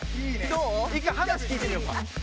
１回話聞いてみようか。